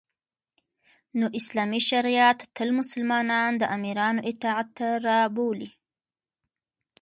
نو اسلامی شریعت تل مسلمانان د امیرانو اطاعت ته رابولی